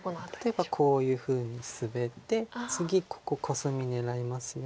例えばこういうふうにスベって次ここコスミ狙いますよと。